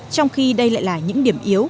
trong khi đây lại là những điểm yếu